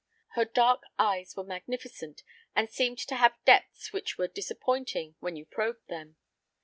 Her dark eyes were magnificent, and seemed to have depths which were disappointing when you probed them.